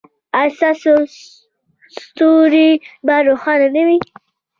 ایا ستاسو ستوری به روښانه نه وي؟